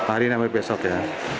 hari ini sampai besok ya